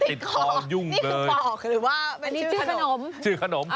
นี่คือปอกหรือว่าเป็นชื่อขนม